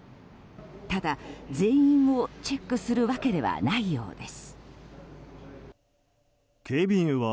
ただ、全員をチェックするわけではないようです。